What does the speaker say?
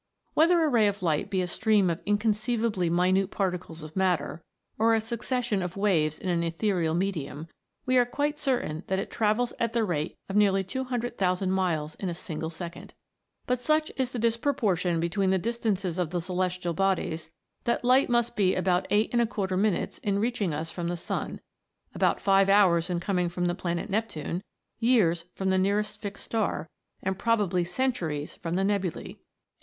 Whether a ray of light be a stream of incon ceivably minute particles of matter, or a succession of waves in an ethereal medium, we are quite certain that it travels at the rate of nearly two hundred thousand miles in a single second. But such is the disproportion between the distances of the celestial bodies, that light must be about eight and a quarter minutes in reaching us from the sun; about five hours in coming from the planet Nep tune ; years from the nearest fixed star ; and probably centuries from the nebulae